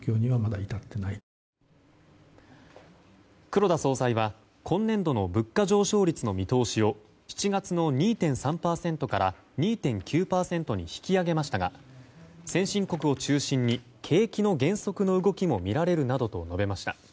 黒田総裁は今年度の物価上昇率の見通しを７月の２．３％から２．９％に引き上げましたが先進国を中心に、景気の減速の動きも見られるなどと述べました。